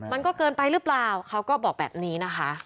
มันก็เกินไปหรือเปล่าเขาก็บอกแบบนี้นะคะ